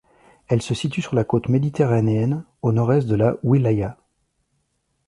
Elle se situe sur la côte méditerranéenne au nord-est de la wilaya.